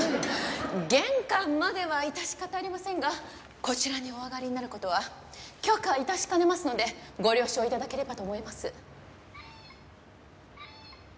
玄関までは致し方ありませんがこちらにお上がりになる事は許可致しかねますのでご了承頂ければと思います。